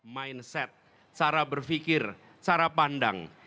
mindset cara berpikir cara pandang